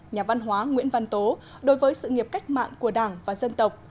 nhà văn hóa nguyễn văn tố đối với sự nghiệp cách mạng của đảng và dân tộc